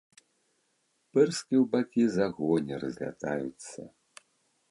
Пырскі ў бакі за гоні разлятаюцца.